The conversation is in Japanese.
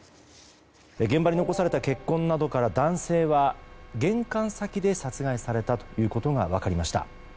現場に残された血痕などから男性は玄関先で殺害されたということが分かりました。